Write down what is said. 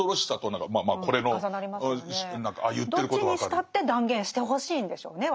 どっちにしたって断言してほしいんでしょうね